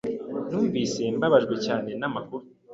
Numvise mbabajwe cyane namakuru.